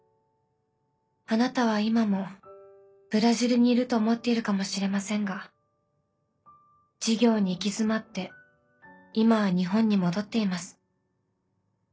あなたは今もブラジルにいると思っているかもしれませんが事業に行き詰まって今は日本に戻っています。